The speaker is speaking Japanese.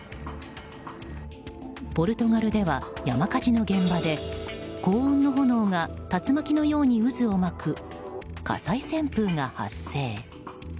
ポルトガルでは、山火事の現場で高温の炎が竜巻のように渦を巻く火災旋風が発生。